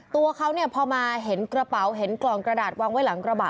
ตัวเขาเนี่ยพอมาเห็นกระเป๋าเห็นกล่องกระดาษวางไว้หลังกระบะ